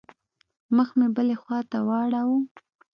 مخ مې بلې خوا ته واړاوه.